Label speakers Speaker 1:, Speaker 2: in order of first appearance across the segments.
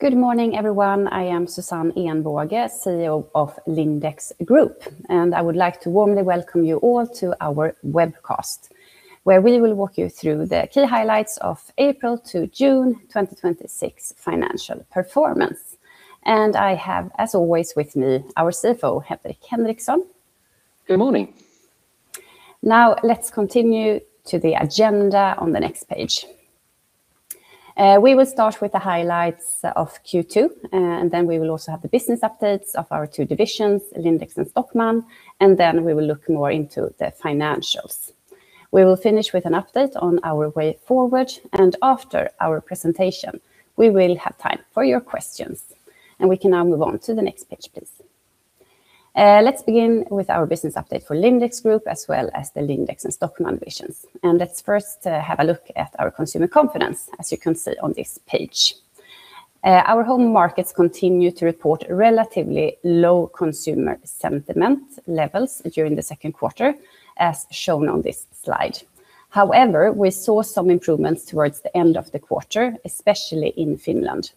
Speaker 1: Good morning, everyone. I am Susanne Ehnbåge, CEO of Lindex Group, I would like to warmly welcome you all to our webcast, where we will walk you through the key highlights of April to June 2026 financial performance. I have, as always, with me, our CFO, Henrik Henriksson.
Speaker 2: Good morning.
Speaker 1: Now let's continue to the agenda on the next page. We will start with the highlights of Q2, then we will also have the business updates of our two divisions, Lindex and Stockmann, then we will look more into the financials. We will finish with an update on our way forward, after our presentation, we will have time for your questions, we can now move on to the next page, please. Let's begin with our business update for Lindex Group, as well as the Lindex and Stockmann divisions. Let's first have a look at our consumer confidence, as you can see on this page. Our home markets continue to report relatively low consumer sentiment levels during the second quarter, as shown on this slide. However, we saw some improvements towards the end of the quarter, especially in Finland.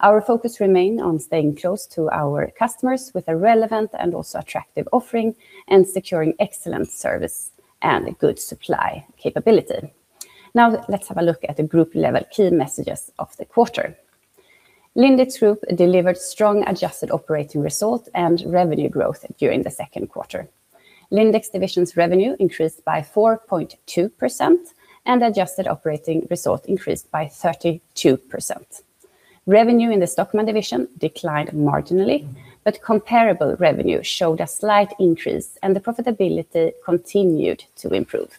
Speaker 1: Our focus remained on staying close to our customers with a relevant and also attractive offering and securing excellent service and a good supply capability. Now let's have a look at the group-level key messages of the quarter. Lindex Group delivered strong adjusted operating result and revenue growth during the second quarter. Lindex division's revenue increased by 4.2%, and adjusted operating result increased by 32%. Revenue in the Stockmann division declined marginally, but comparable revenue showed a slight increase, and the profitability continued to improve.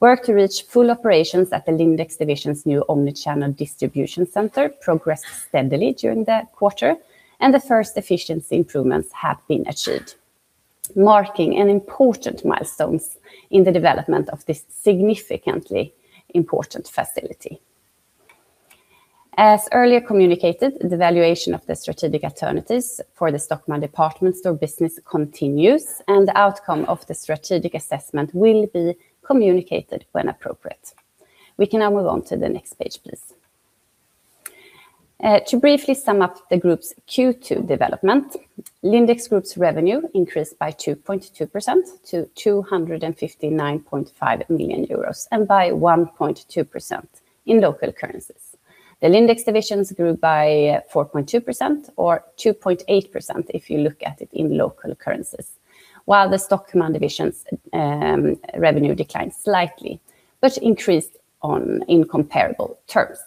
Speaker 1: Work to reach full operations at the Lindex division's new omnichannel distribution center progressed steadily during the quarter, and the first efficiency improvements have been achieved, marking an important milestone in the development of this significantly important facility. As earlier communicated, the valuation of the strategic alternatives for the Stockmann department store business continues, and the outcome of the strategic assessment will be communicated when appropriate. We can now move on to the next page, please. To briefly sum up the group's Q2 development, Lindex Group's revenue increased by 2.2% to 259.5 million euros and by 1.2% in local currencies. The Lindex divisions grew by 4.2%, or 2.8% if you look at it in local currencies. While the Stockmann division's revenue declined slightly but increased in comparable terms.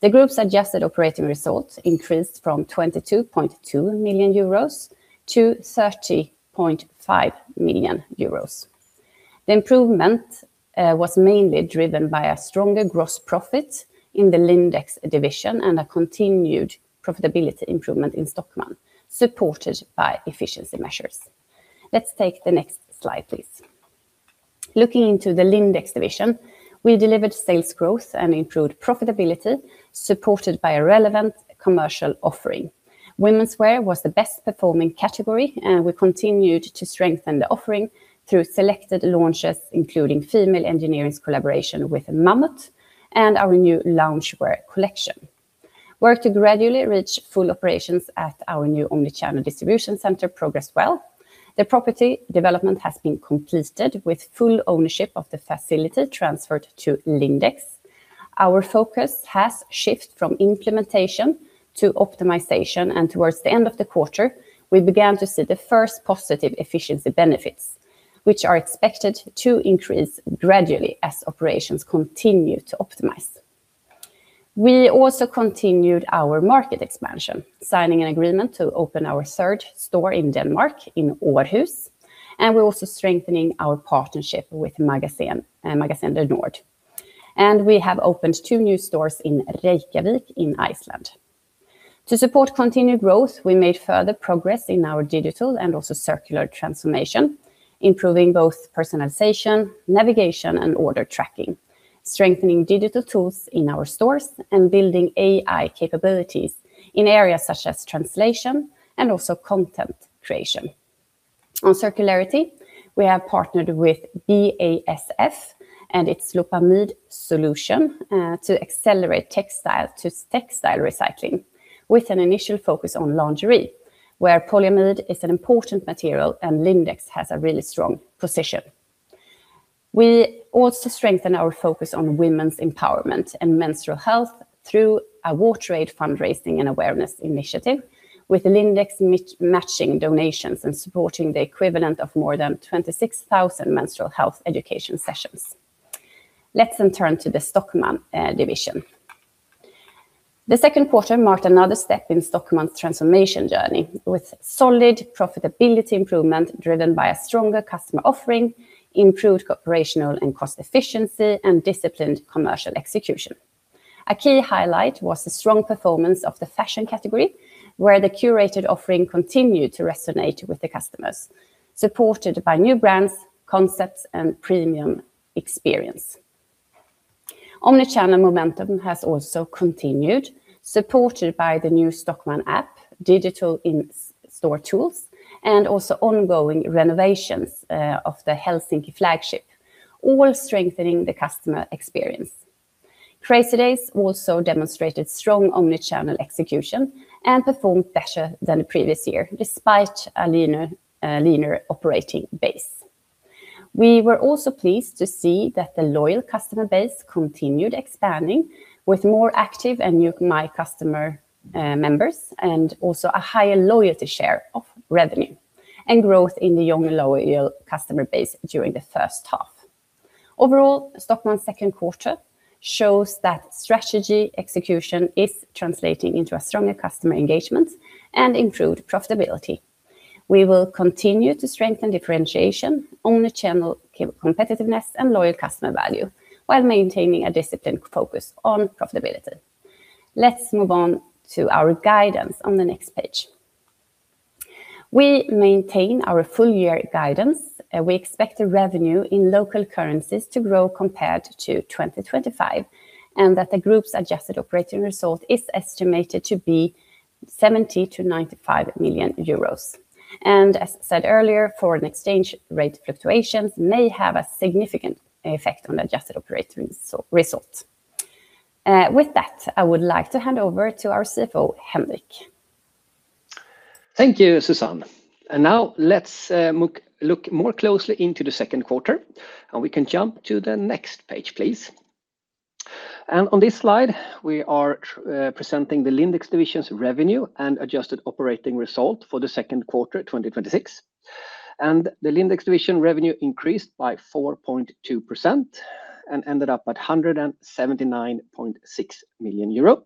Speaker 1: The group's adjusted operating results increased from 22.2 million-30.5 million euros. The improvement was mainly driven by a stronger gross profit in the Lindex division and a continued profitability improvement in Stockmann, supported by efficiency measures. Let's take the next slide, please. Looking into the Lindex division, we delivered sales growth and improved profitability, supported by a relevant commercial offering. Womenswear was the best-performing category. We continued to strengthen the offering through selected launches, including Female Engineering's collaboration with Mammut and our new loungewear collection. Work to gradually reach full operations at our new omnichannel distribution center progressed well. The property development has been completed with full ownership of the facility transferred to Lindex. Our focus has shifted from implementation to optimization. Towards the end of the quarter, we began to see the first positive efficiency benefits, which are expected to increase gradually as operations continue to optimize. We also continued our market expansion, signing an agreement to open our third store in Denmark in Aarhus. We're also strengthening our partnership with Magasin and Magasin du Nord. We have opened two new stores in Reykjavik in Iceland. To support continued growth, we made further progress in our digital and also circular transformation, improving both personalization, navigation, and order tracking, strengthening digital tools in our stores, and building AI capabilities in areas such as translation and also content creation. On circularity, we have partnered with BASF and its loopamid solution to accelerate textile to textile recycling with an initial focus on lingerie, where polyamide is an important material and Lindex has a really strong position. We also strengthen our focus on women's empowerment and menstrual health through a WaterAid Fundraising and Awareness Initiative with Lindex matching donations and supporting the equivalent of more than 26,000 menstrual health education sessions. Let's then turn to the Stockmann division. The second quarter marked another step in Stockmann's transformation journey with solid profitability improvement driven by a stronger customer offering, improved operational and cost efficiency, and disciplined commercial execution. A key highlight was the strong performance of the fashion category, where the curated offering continued to resonate with the customers, supported by new brands, concepts, and premium experience. omnichannel momentum has also continued, supported by the new Stockmann app, digital in-store tools, and also ongoing renovations of the Helsinki flagship, all strengthening the customer experience. Crazy Days also demonstrated strong omnichannel execution and performed better than the previous year, despite a leaner operating base. We were also pleased to see that the loyal customer base continued expanding with more active and new My Stockmann members, and also a higher loyalty share of revenue and growth in the young loyal customer base during the first half. Overall, Stockmann's second quarter shows that strategy execution is translating into a stronger customer engagement and improved profitability. We will continue to strengthen differentiation, omnichannel competitiveness, and loyal customer value while maintaining a disciplined focus on profitability. Let's move on to our guidance on the next page. We maintain our full year guidance. We expect the revenue in local currencies to grow compared to 2025, and the group's adjusted operating result is estimated to be 70 million-95 million euros. As I said earlier, foreign exchange rate fluctuations may have a significant effect on adjusted operating results. With that, I would like to hand over to our CFO, Henrik.
Speaker 2: Thank you, Susanne. Now let's look more closely into the second quarter, and we can jump to the next page, please. On this slide, we are presenting the Lindex division's revenue and adjusted operating result for the second quarter 2026. The Lindex division revenue increased by 4.2% and ended up at 179.6 million euro.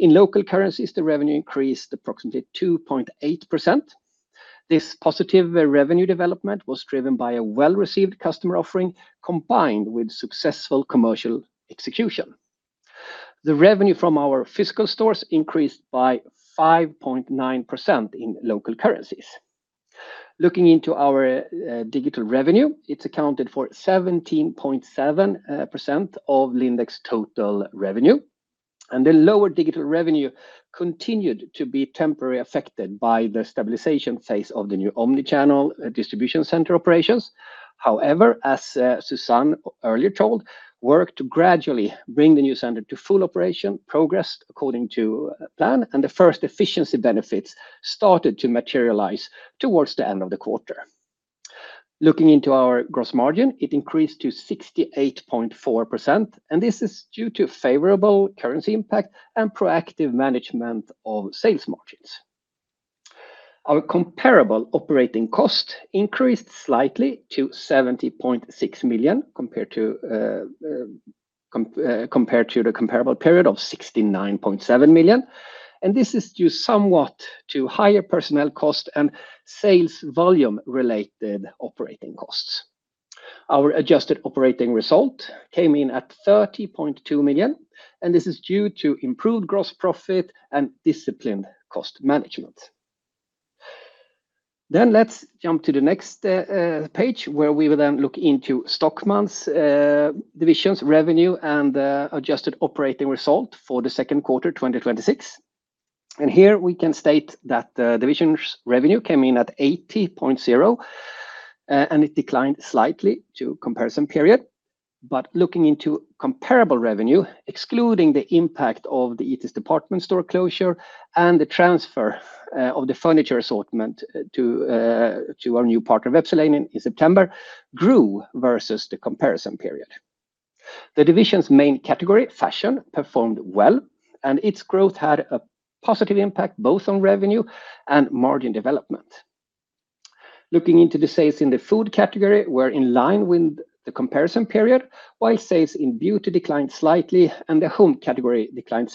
Speaker 2: In local currencies, the revenue increased approximately 2.8%. This positive revenue development was driven by a well-received customer offering combined with successful commercial execution. The revenue from our physical stores increased by 5.9% in local currencies. Looking into our digital revenue, it accounted for 17.7% of Lindex total revenue. The lower digital revenue continued to be temporarily affected by the stabilization phase of the new omnichannel distribution center operations. However, as Susanne earlier told, work to gradually bring the new center to full operation progressed according to plan, and the first efficiency benefits started to materialize towards the end of the quarter. Looking into our gross margin, it increased to 68.4%, and this is due to favorable currency impact and proactive management of sales margins. Our comparable operating cost increased slightly to 70.6 million compared to the comparable period of 69.7 million. This is due somewhat to higher personnel cost and sales volume-related operating costs. Our adjusted operating result came in at 30.2 million, and this is due to improved gross profit and disciplined cost management. Let's jump to the next page where we will then look into Stockmann's divisions revenue and adjusted operating result for the second quarter 2026. Here we can state that the division's revenue came in at 80.0 million, and it declined slightly to comparison period. Looking into comparable revenue, excluding the impact of the Itis department store closure and the transfer of the furniture assortment to our new partner, Vepsäläinen, in September, grew versus the comparison period. The division's main category, fashion, performed well, and its growth had a positive impact both on revenue and margin development. Looking into the sales in the food category were in line with the comparison period, while sales in beauty declined slightly, and the home category declined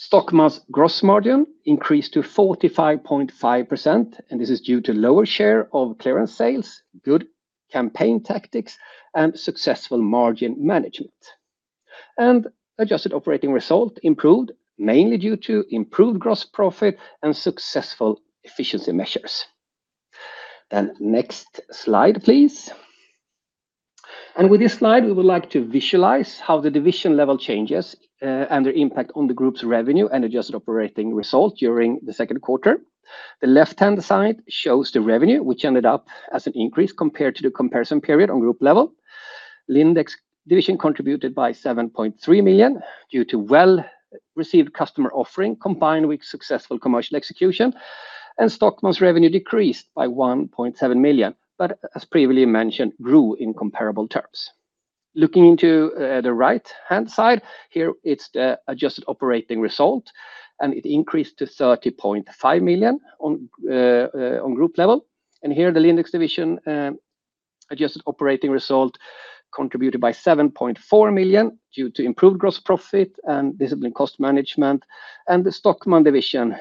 Speaker 2: significantly due to the changes of business model. Stockmann's gross margin increased to 45.5%, and this is due to lower share of clearance sales, good campaign tactics, and successful margin management. Adjusted operating result improved mainly due to improved gross profit and successful efficiency measures. Next slide, please. With this slide, we would like to visualize how the division level changes, and their impact on the group's revenue and adjusted operating result during the second quarter. The left-hand side shows the revenue, which ended up as an increase compared to the comparison period on group level. Lindex division contributed by 7.3 million due to well-received customer offering, combined with successful commercial execution, and Stockmann's revenue decreased by 1.7 million, but as previously mentioned, grew in comparable terms. Looking into the right-hand side here, it's the adjusted operating result, and it increased to 30.5 million on group level. Here the Lindex division adjusted operating result contributed by 7.4 million due to improved gross profit and disciplined cost management. The Stockmann division,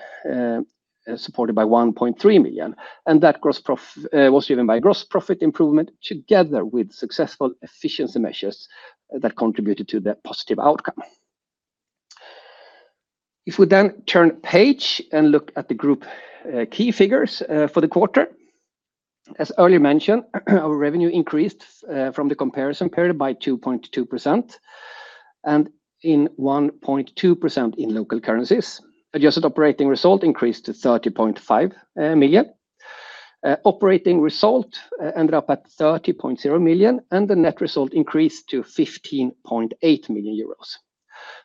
Speaker 2: supported by 1.3 million, and that was driven by gross profit improvement together with successful efficiency measures that contributed to the positive outcome. If we then turn page and look at the group key figures for the quarter. As earlier mentioned, our revenue increased from the comparison period by 2.2% and in 1.2% in local currencies. Adjusted operating result increased to 30.5 million. Operating result ended up at 30.0 million, and the net result increased to 15.8 million euros.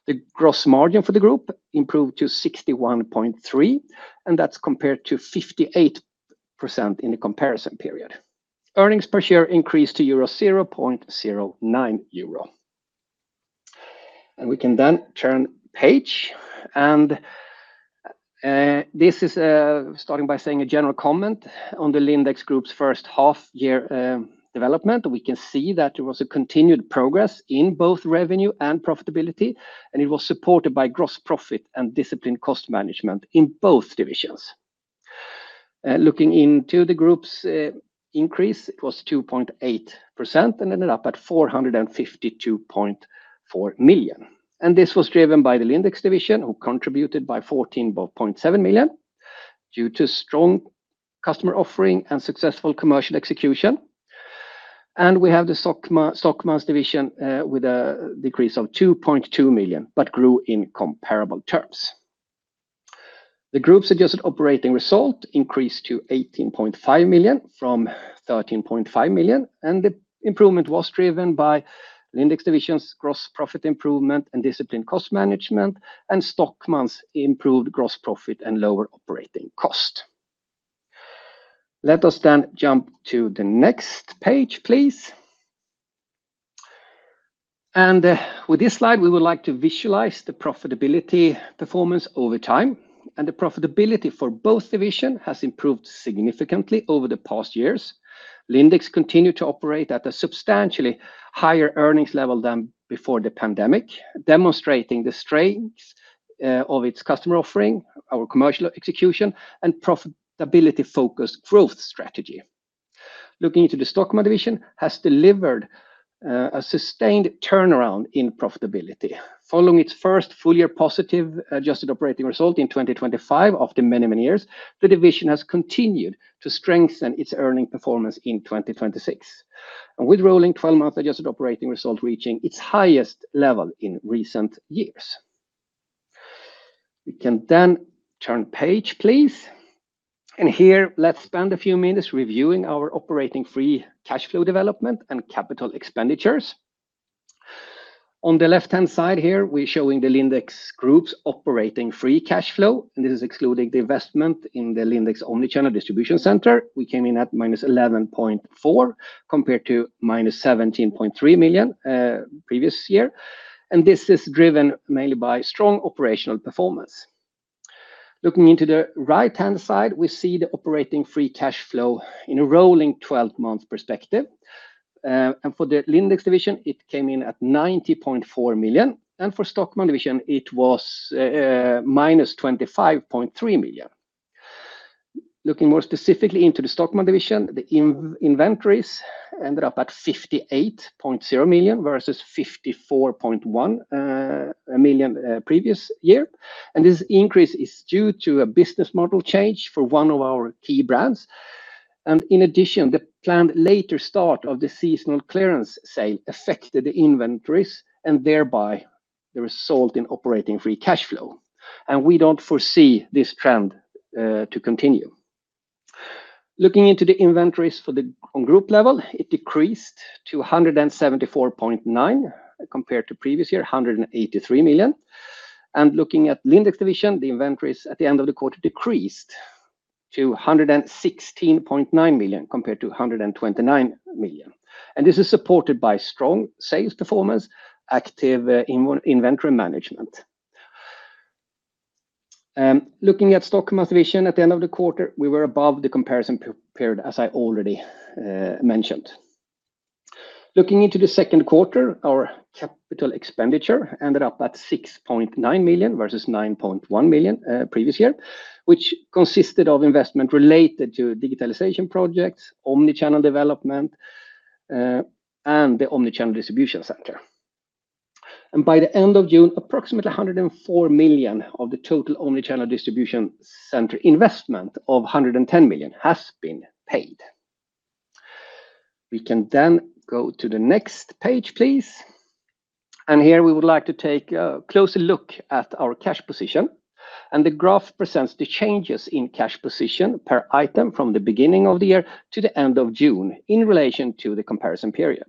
Speaker 2: The gross margin for the group improved to 61.3%, and that's compared to 58% in the comparison period. Earnings per share increased to 0.09 euro. We can then turn page. This is starting by saying a general comment on the Lindex Group's first half year development. We can see that there was a continued progress in both revenue and profitability, and it was supported by gross profit and disciplined cost management in both divisions. Looking into the group's increase, it was 2.8% and ended up at 452.4 million. This was driven by the Lindex division, who contributed by 14.7 million due to strong customer offering and successful commercial execution. We have the Stockmann's division with a decrease of 2.2 million, but grew in comparable terms. The group's adjusted operating result increased to 18.5 million from 13.5 million, and the improvement was driven by Lindex division's gross profit improvement and disciplined cost management and Stockmann's improved gross profit and lower operating cost. Let us jump to the next page, please. With this slide, we would like to visualize the profitability performance over time, and the profitability for both division has improved significantly over the past years. Lindex continued to operate at a substantially higher earnings level than before the pandemic, demonstrating the strengths of its customer offering, our commercial execution, and profitability-focused growth strategy. Looking into the Stockmann division, has delivered a sustained turnaround in profitability. Following its first full-year positive adjusted operating result in 2025 after many years, the division has continued to strengthen its earning performance in 2026. With rolling 12-month adjusted operating result reaching its highest level in recent years. We can then turn page, please. Here, let's spend a few minutes reviewing our operating free cash flow development and capital expenditures. On the left-hand side here, we're showing the Lindex Group's operating free cash flow, and this is excluding the investment in the Lindex omnichannel distribution center. We came in at -11.4 million, compared to -17.3 million previous year. This is driven mainly by strong operational performance. Looking into the right-hand side, we see the operating free cash flow in a rolling 12-month perspective. For the Lindex division, it came in at 90.4 million, for Stockmann division, it was -25.3 million. Looking more specifically into the Stockmann division, the inventories ended up at 58.0 million, versus 54.1 million previous year. This increase is due to a business model change for one of our key brands. In addition, the planned later start of the seasonal clearance sale affected the inventories and thereby the result in operating free cash flow. We don't foresee this trend to continue. Looking into the inventories on group level, it decreased to 174.9 million compared to previous year, 183 million. Looking at Lindex division, the inventories at the end of the quarter decreased to 116.9 million compared to 129 million. This is supported by strong sales performance, active inventory management. Looking at Stockmann's division at the end of the quarter, we were above the comparison period, as I already mentioned. Looking into the second quarter, our capital expenditure ended up at 6.9 million versus 9.1 million previous year, which consisted of investment related to digitalization projects, omnichannel development, and the omnichannel distribution center. By the end of June, approximately 104 million of the total omnichannel distribution center investment of 110 million has been paid. We can go to the next page, please. Here we would like to take a closer look at our cash position, the graph presents the changes in cash position per item from the beginning of the year to the end of June in relation to the comparison period.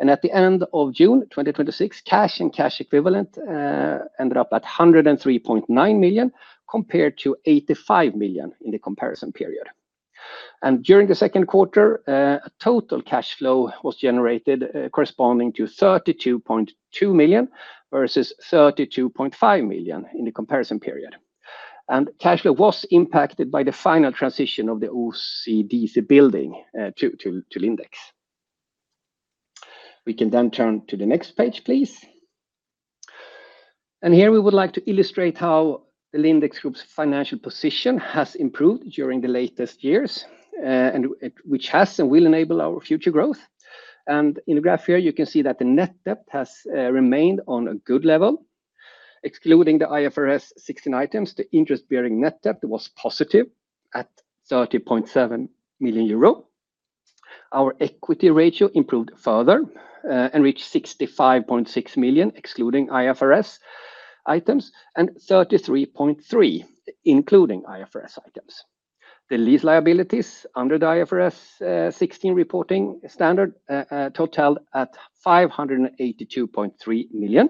Speaker 2: At the end of June 2026, cash and cash equivalent ended up at 103.9 million, compared to 85 million in the comparison period. During the second quarter, a total cash flow was generated corresponding to 32.2 million, versus 32.5 million in the comparison period. Cash flow was impacted by the final transition of the OCDC building to Lindex. We can turn to the next page, please. Here we would like to illustrate how the Lindex Group's financial position has improved during the latest years, which has and will enable our future growth. In the graph here, you can see that the net debt has remained on a good level. Excluding the IFRS 16 items, the interest-bearing net debt was positive at 30.7 million euro. Our equity ratio improved further and reached 65.6%, excluding IFRS items, and 33.3%, including IFRS items. The lease liabilities under the IFRS 16 reporting standard totaled at 582.3 million.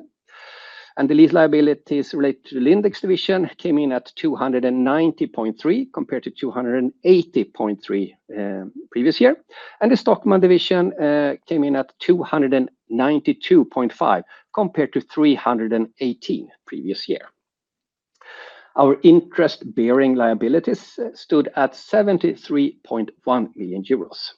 Speaker 2: The lease liabilities related to the Lindex division came in at 290.3 million compared to 280.3 million previous year. The Stockmann division came in at 292.5 million compared to 318 million previous year. Our interest-bearing liabilities stood at 73.1 million euros.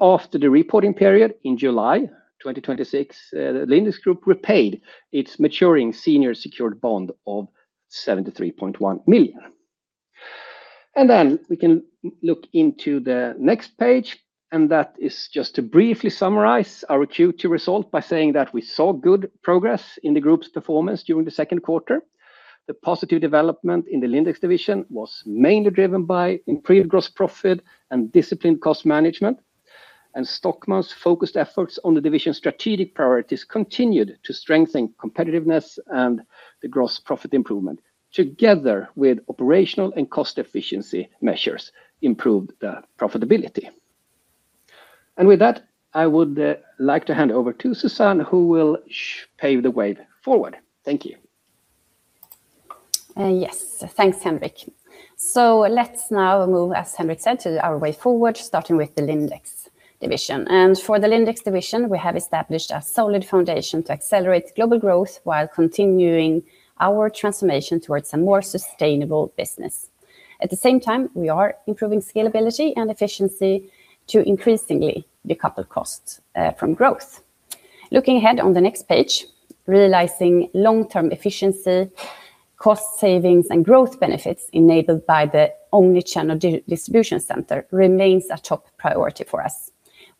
Speaker 2: After the reporting period in July 2026, the Lindex Group repaid its maturing senior secured bond of 73.1 million. We can look into the next page, that is just to briefly summarize our Q2 result by saying that we saw good progress in the group's performance during the second quarter. The positive development in the Lindex division was mainly driven by improved gross profit and disciplined cost management. Stockmann's focused efforts on the division's strategic priorities continued to strengthen competitiveness and the gross profit improvement, together with operational and cost efficiency measures, improved profitability. With that, I would like to hand over to Susanne, who will pave the way forward. Thank you.
Speaker 1: Yes, thanks, Henrik. Let's now move, as Henrik said, to our way forward, starting with the Lindex division. For the Lindex division, we have established a solid foundation to accelerate global growth while continuing our transformation towards a more sustainable business. At the same time, we are improving scalability and efficiency to increasingly decouple costs from growth. Looking ahead on the next page, realizing long-term efficiency, cost savings, and growth benefits enabled by the omnichannel distribution center remains a top priority for us.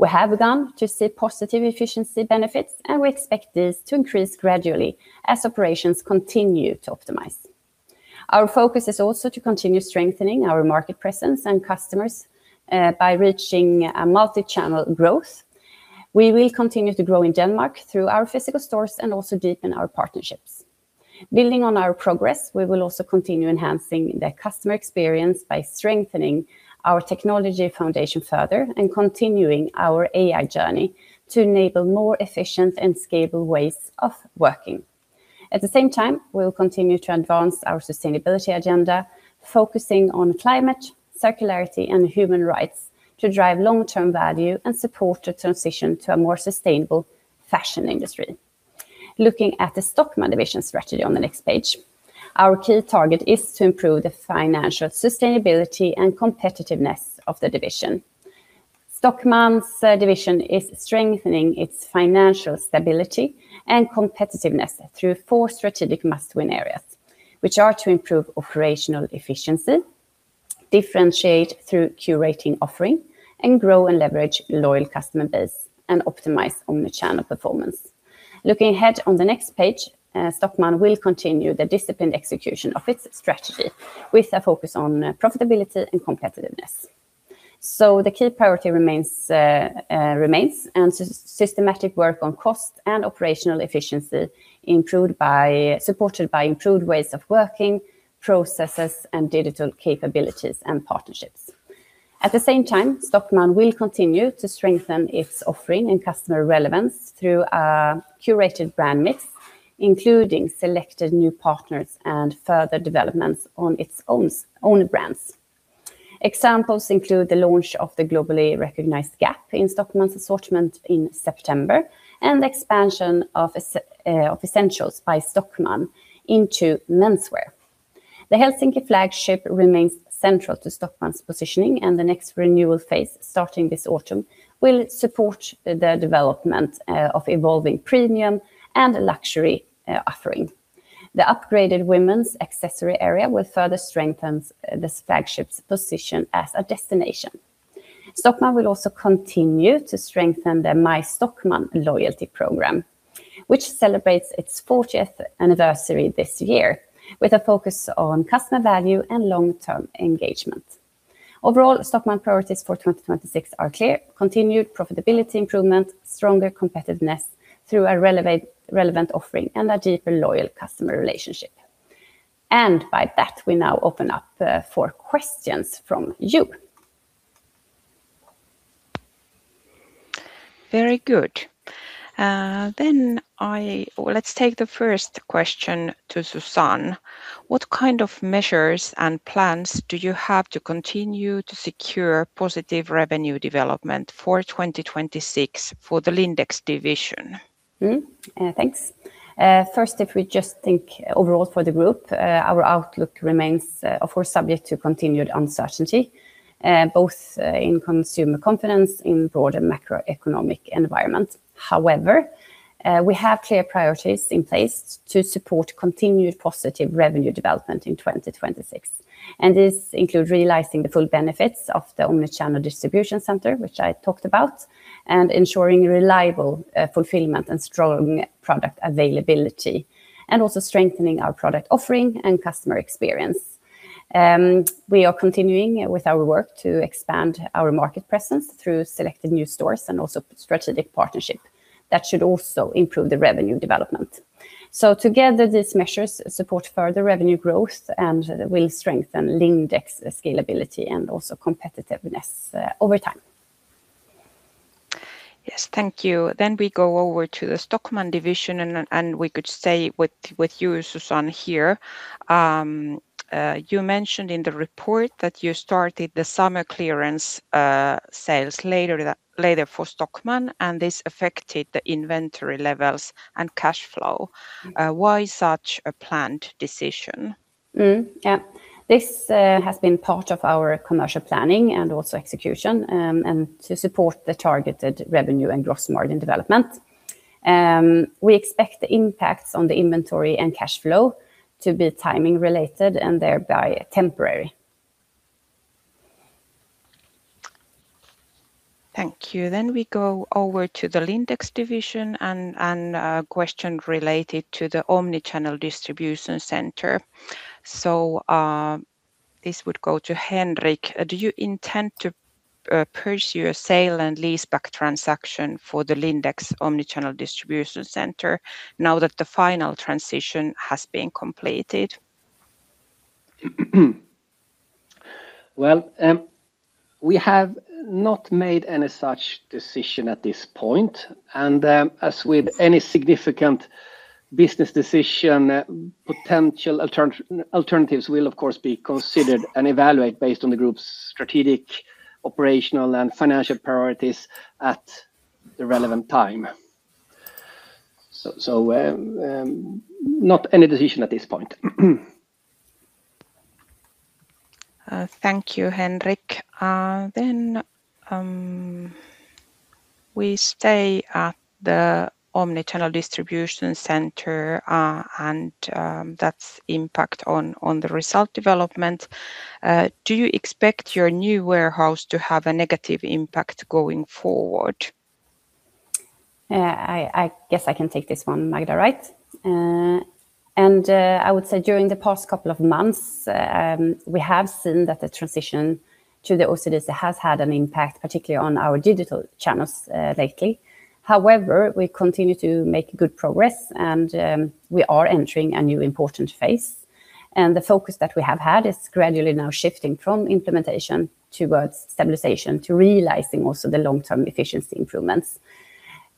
Speaker 1: We have begun to see positive efficiency benefits, and we expect this to increase gradually as operations continue to optimize. Our focus is also to continue strengthening our market presence and customers by reaching multi-channel growth. We will continue to grow in Denmark through our physical stores and also deepen our partnerships. Building on our progress, we will also continue enhancing the customer experience by strengthening our technology foundation further and continuing our AI journey to enable more efficient and scalable ways of working. At the same time, we will continue to advance our sustainability agenda, focusing on climate, circularity, and human rights to drive long-term value and support the transition to a more sustainable fashion industry. Looking at the Stockmann division strategy on the next page, our key target is to improve the financial sustainability and competitiveness of the division. Stockmann's division is strengthening its financial stability and competitiveness through four strategic must-win areas, which are to improve operational efficiency, differentiate through curating offering, and grow and leverage loyal customer base, and optimize omnichannel performance. Looking ahead on the next page, Stockmann will continue the disciplined execution of its strategy with a focus on profitability and competitiveness. The key priority remains, and systematic work on cost and operational efficiency supported by improved ways of working, processes, and digital capabilities and partnerships. At the same time, Stockmann will continue to strengthen its offering and customer relevance through a curated brand mix, including selected new partners and further developments on its own brands. Examples include the launch of the globally recognized Gap in Stockmann's assortment in September and the expansion of Essentials by Stockmann into menswear. The Helsinki flagship remains central to Stockmann's positioning, and the next renewal phase, starting this autumn, will support the development of evolving premium and luxury offering. The upgraded women's accessory area will further strengthen this flagship's position as a destination. Stockmann will also continue to strengthen their My Stockmann loyalty program, which celebrates its 40th anniversary this year with a focus on customer value and long-term engagement. Overall, Stockmann priorities for 2026 are clear: continued profitability improvement, stronger competitiveness through a relevant offering, and a deeper loyal customer relationship. By that, we now open up for questions from you.
Speaker 3: Very good. Let's take the first question to Susanne. What kind of measures and plans do you have to continue to secure positive revenue development for 2026 for the Lindex division?
Speaker 1: Thanks. First, if we just think overall for the group, our outlook remains, of course, subject to continued uncertainty, both in consumer confidence, in broader macroeconomic environment. However, we have clear priorities in place to support continued positive revenue development in 2026. This includes realizing the full benefits of the omnichannel distribution center, which I talked about, and ensuring reliable fulfillment and strong product availability, and also strengthening our product offering and customer experience. We are continuing with our work to expand our market presence through selected new stores and also strategic partnership. That should also improve the revenue development. Together, these measures support further revenue growth and will strengthen Lindex scalability and also competitiveness over time.
Speaker 3: Yes, thank you. We go over to the Stockmann division, and we could stay with you, Susanne, here. You mentioned in the report that you started the summer clearance sales later for Stockmann, and this affected the inventory levels and cash flow. Why such a planned decision?
Speaker 1: Yes. This has been part of our commercial planning and also execution, to support the targeted revenue and gross margin development. We expect the impacts on the inventory and cash flow to be timing related and thereby temporary.
Speaker 3: Thank you. We go over to the Lindex division and a question related to the omnichannel distribution center. This would go to Henrik. Do you intend to pursue a sale and leaseback transaction for the Lindex omnichannel distribution center now that the final transition has been completed?
Speaker 2: Well, we have not made any such decision at this point, and as with any significant business decision, potential alternatives will of course be considered and evaluated based on the group's strategic, operational, and financial priorities at the relevant time. Not any decision at this point.
Speaker 3: Thank you, Henrik. We stay at the omnichannel distribution center and its impact on the result development. Do you expect your new warehouse to have a negative impact going forward?
Speaker 1: I guess I can take this one, Magda, right? I would say during the past couple of months, we have seen that the transition to the OCDC has had an impact, particularly on our digital channels lately. However, we continue to make good progress and we are entering a new important phase. The focus that we have had is gradually now shifting from implementation towards stabilization to realizing also the long-term efficiency improvements,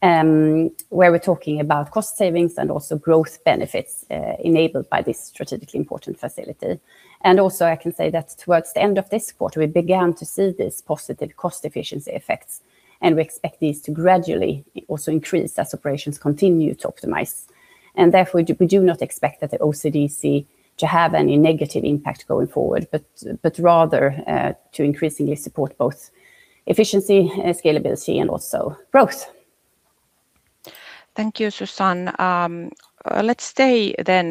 Speaker 1: where we are talking about cost savings and also growth benefits enabled by this strategically important facility. Also, I can say that towards the end of this quarter, we began to see these positive cost efficiency effects, and we expect these to gradually also increase as operations continue to optimize. Therefore, we do not expect the OCDC to have any negative impact going forward, but rather to increasingly support both efficiency and scalability and also growth.
Speaker 3: Thank you, Susanne. Let's stay in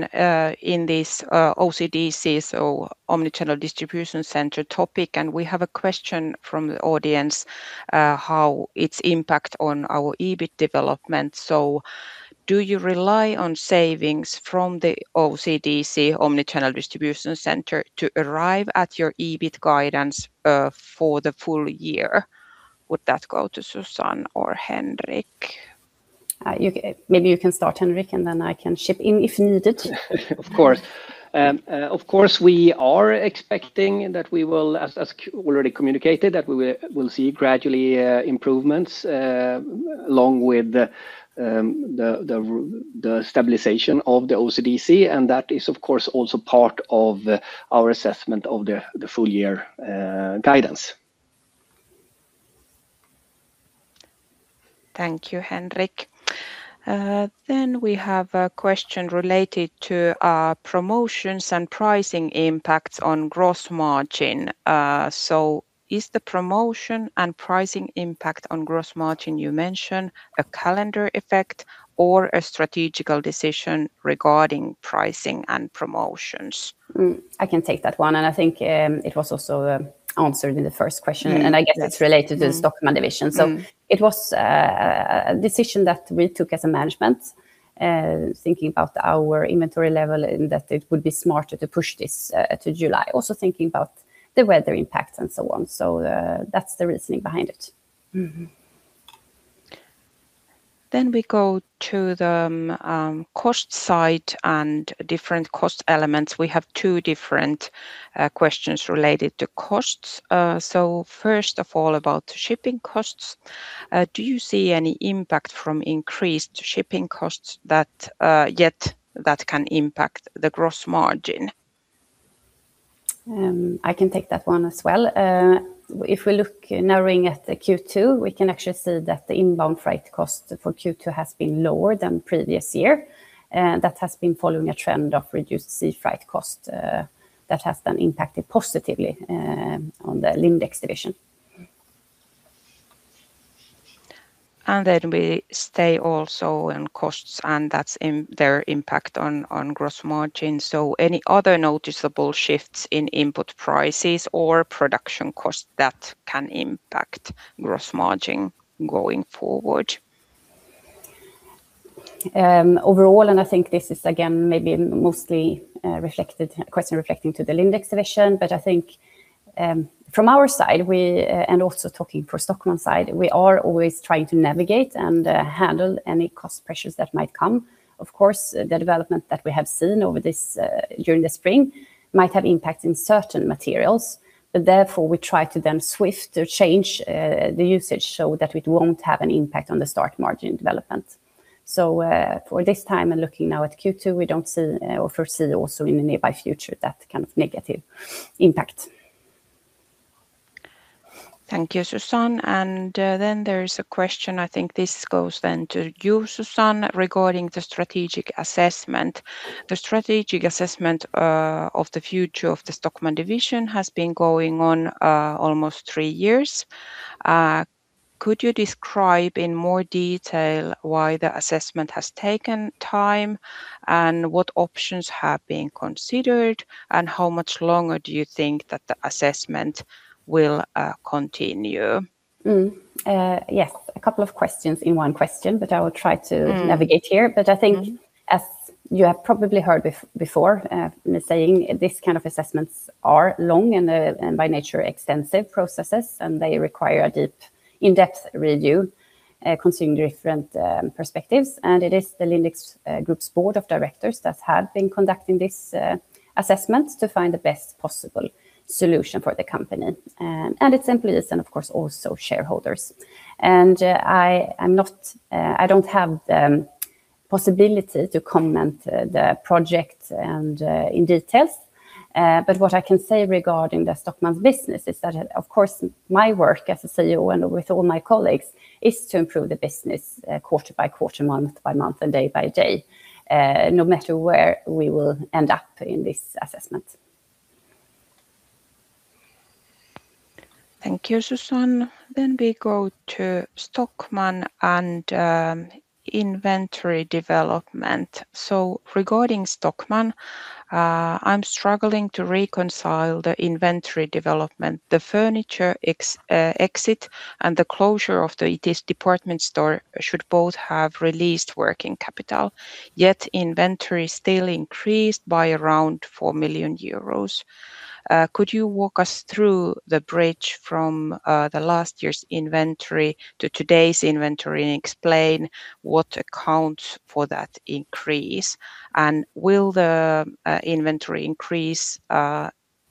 Speaker 3: this OCDC, so omnichannel distribution center topic, and we have a question from the audience, how its impact on our EBIT development. Do you rely on savings from the OCDC, omnichannel distribution center, to arrive at your EBIT guidance for the full year? Would that go to Susanne or Henrik?
Speaker 1: Maybe you can start, Henrik, and I can chip in if needed.
Speaker 2: Of course. Of course, we are expecting that we will, as already communicated, that we will see gradually improvements along with the stabilization of the OCDC, and that is of course also part of our assessment of the full year guidance.
Speaker 3: Thank you, Henrik. We have a question related to promotions and pricing impacts on gross margin. Is the promotion and pricing impact on gross margin you mentioned a calendar effect or a strategic decision regarding pricing and promotions?
Speaker 1: I can take that one. I think it was also answered in the first question. I guess it's related to the Stockmann division. It was a decision that we took as a management, thinking about our inventory level and that it would be smarter to push this to July, also thinking about the weather impacts and so on. That's the reasoning behind it.
Speaker 3: We go to the cost side and different cost elements. We have two different questions related to costs. First of all, about shipping costs. Do you see any impact from increased shipping costs yet that can impact the gross margin?
Speaker 1: I can take that one as well. If we look narrowing at the Q2, we can actually see that the inbound freight cost for Q2 has been lower than previous year. That has been following a trend of reduced sea freight cost that has then impacted positively on the Lindex division.
Speaker 3: We stay also on costs and that's their impact on gross margin. Any other noticeable shifts in input prices or production costs that can impact gross margin going forward?
Speaker 1: Overall, I think this is again maybe mostly a question reflecting to the Lindex division, but I think from our side, and also talking for Stockmann's side, we are always trying to navigate and handle any cost pressures that might come. Of course, the development that we have seen during the spring might have impact in certain materials, but therefore we try to then shift or change the usage so that it won't have an impact on the stock margin development. For this time and looking now at Q2, we don't see or foresee also in the nearby future that kind of negative impact.
Speaker 3: Thank you, Susanne. There is a question, I think this goes then to you, Susanne, regarding the strategic assessment. The strategic assessment of the future of the Stockmann division has been going on almost three years. Could you describe in more detail why the assessment has taken time, and what options have been considered, and how much longer do you think that the assessment will continue?
Speaker 1: Yes. A couple of questions in one question. I will try to navigate here. I think as you have probably heard before me saying, this kind of assessments are long and by nature extensive processes, and they require a deep, in-depth review considering different perspectives. It is the Lindex Group's Board of Directors that have been conducting this assessment to find the best possible solution for the company. Its employees and, of course, also shareholders. I don't have the possibility to comment the project and in details. What I can say regarding the Stockmann's business is that, of course, my work as a CEO and with all my colleagues, is to improve the business quarter-by-quarter, month by month and day by day, no matter where we will end up in this assessment.
Speaker 3: Thank you, Susanne. We go to Stockmann and inventory development. Regarding Stockmann, I'm struggling to reconcile the inventory development, the furniture exit, and the closure of the Itis department store should both have released working capital. Yet inventory still increased by around 4 million euros. Could you walk us through the bridge from the last year's inventory to today's inventory and explain what accounts for that increase? Will the inventory increase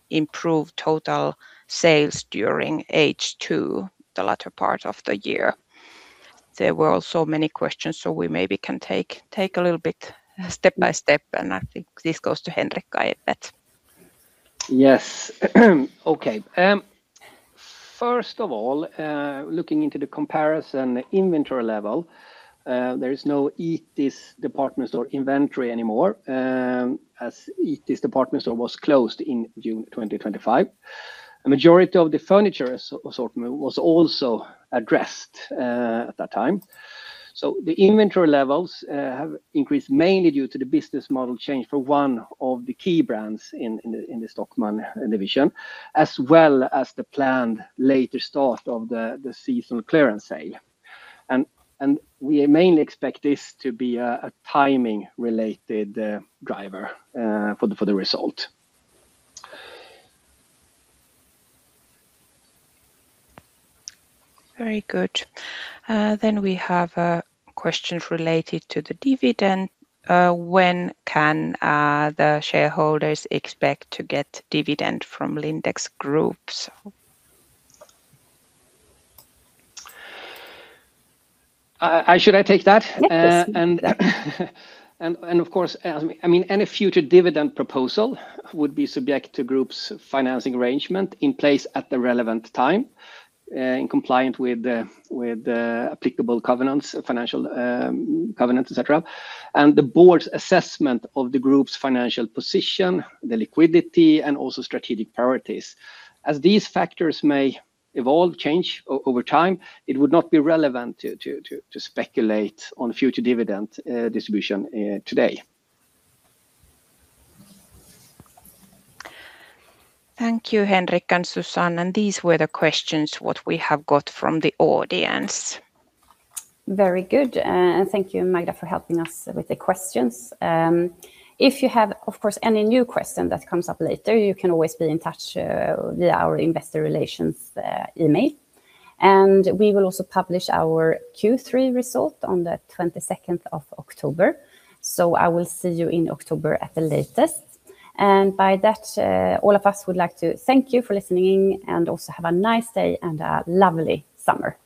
Speaker 3: improve total sales during H2, the latter part of the year? There were also many questions, so we maybe can take a little bit step by step, and I think this goes to Henrik Henriksson.
Speaker 2: Yes. Okay. First of all, looking into the comparison inventory level, there is no Itis department store inventory anymore, as Itis department store was closed in June 2025. A majority of the furniture assortment was also addressed at that time. The inventory levels have increased mainly due to the business model change for one of the key brands in the Stockmann division, as well as the planned later start of the seasonal clearance sale. We mainly expect this to be a timing related driver for the result.
Speaker 3: Very good. We have questions related to the dividend. When can the shareholders expect to get dividend from Lindex Group?
Speaker 2: Should I take that?
Speaker 1: Yes.
Speaker 2: Of course, any future dividend proposal would be subject to group's financing arrangement in place at the relevant time, in compliant with applicable covenants, financial covenants, etc, and the Board's assessment of the group's financial position, the liquidity, and also strategic priorities. As these factors may evolve, change over time, it would not be relevant to speculate on future dividend distribution today.
Speaker 3: Thank you, Henrik and Susanne. These were the questions what we have got from the audience.
Speaker 1: Very good. Thank you, Magda, for helping us with the questions. If you have, of course, any new question that comes up later, you can always be in touch with our investor relations email. We will also publish our Q3 result on October 22nd. I will see you in October at the latest. By that, all of us would like to thank you for listening and also have a nice day and a lovely summer.